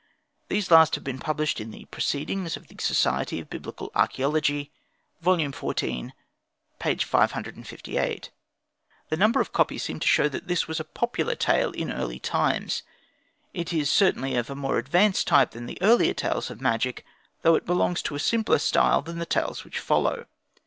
These last have been published in the Proceedings of the Society of Biblical Archaeology, xiv. 558. The number of copies seem to show that this was a popular tale in early times; it certainly is of a more advanced type than the earlier tales of magic, though it belongs to a simpler style than the tales which follow.